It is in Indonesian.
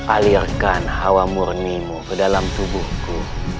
alirkan hawa murnimu ke dalam tubuhku